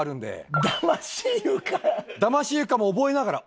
だまし床も覚えながら。